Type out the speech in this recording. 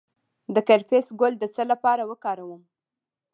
د کرفس ګل د څه لپاره وکاروم؟